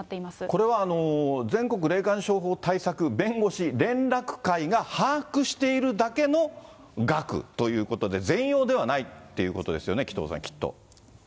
これは、全国霊感商法対策弁護士連絡会が把握しているだけの額ということで、全容ではないっていうことですよね、紀藤さん、きっと。